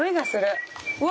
うわ！